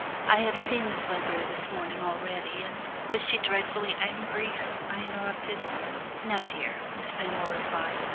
I have seen Miss Ledbury this morning already, and " "Was she dreadfully angry?" I interrupted. "No, dear," Miss Fenmore replied.